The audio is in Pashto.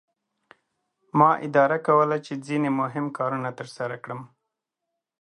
ما اداره کوله چې ځینې مهم کارونه ترسره کړم.